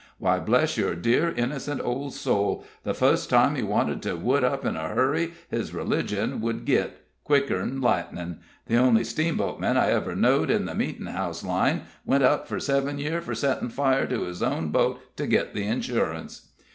Why, bless your dear, innocent, old soul, the fust time he wanted to wood up in a hurry, his religion would git, quicker'n lightnin'. The only steamboatman I ever knowed in the meetin' house line went up for seven year for settin' fire to his own boat to git the insurance."